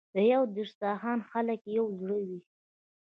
د یو دسترخان خلک یو زړه وي.